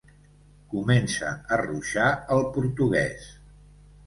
Comença a ruixar el portuguès.